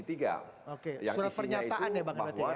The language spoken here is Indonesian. oke surat pernyataan ya bang nasir